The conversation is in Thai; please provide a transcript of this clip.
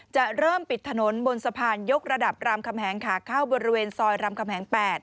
จะเริ่มปิดถนนบนสะพานยกระดับรามคำแหงขาเข้าบริเวณซอยรามคำแหง๘